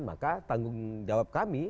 maka tanggung jawab kami